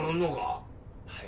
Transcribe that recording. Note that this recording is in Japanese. ・はい。